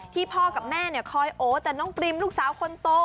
ที่พอกับแม่คอยโอ๊ะแต่น้องปรีมลูกสาวคนโต